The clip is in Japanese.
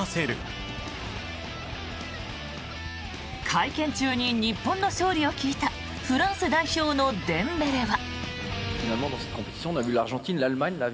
会見中に日本の勝利を聞いたフランス代表のデンベレは。